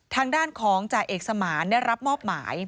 ทางด้านของจ่าเอกสมานได้รับมอบหมาย